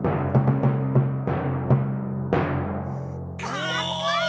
かっこいい！